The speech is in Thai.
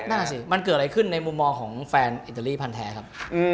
นั่นสิมันเกิดอะไรขึ้นในมุมมองของแฟนอิตาลีพันธ์แท้ครับ